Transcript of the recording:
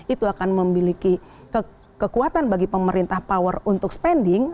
itu akan memiliki kekuatan bagi pemerintah power untuk spending